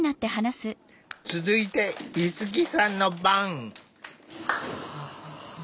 続いて逸樹さんの番。